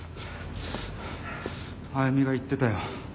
歩美が言ってたよ。